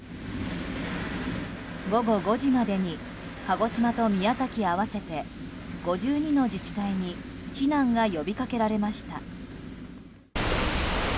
午後４時までに鹿児島と宮崎合わせて５２の自治体に避難が呼びかけられました。